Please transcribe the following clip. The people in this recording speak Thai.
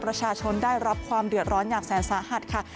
ประชาชนได้รับความเดือดร้อนอย่างแสนสาหัสค่ะ